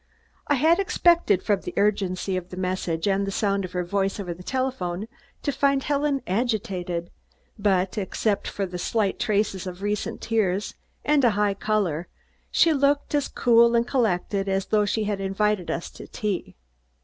I had expected, from the urgency of the message and the sound of her voice over the telephone, to find Helen agitated, but, except for slight traces of recent tears and a high color, she looked as cool and collected as though she had invited us to tea.